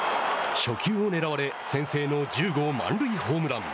初球を狙われ先制の１０号満塁ホームラン。